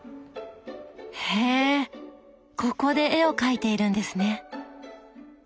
へえここで絵を描いているんですね。